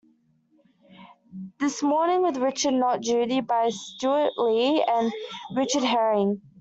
"This Morning With Richard Not Judy" by Stewart Lee and Richard Herring.